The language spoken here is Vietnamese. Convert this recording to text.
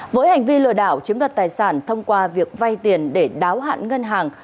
với hành vi lừa đảo chiếm đoạt tài sản thông qua việc vay tiền để đáo hạn ngân hàng